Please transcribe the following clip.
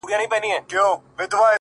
کلونه کیږي چي مي هېره ده د یار کوڅه’